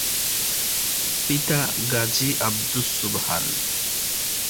পিতা গাজী আব্দুস সোবহান।